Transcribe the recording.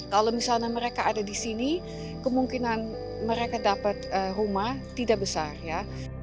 kalau misalnya mereka ada di sini kemungkinan mereka dapat rumah tidak besar ya